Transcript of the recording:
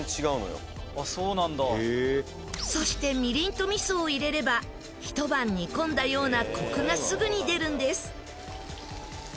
そしてみりんと味噌を入れれば一晩煮込んだようなコクがすぐに出るんです。